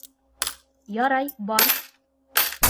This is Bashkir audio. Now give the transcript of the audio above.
Ярай, бар.